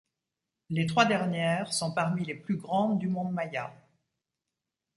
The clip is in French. Les trois dernières sont parmi les plus grandes du monde maya.